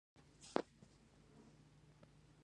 پامیر د افغانستان د طبیعت د ښکلا برخه ده.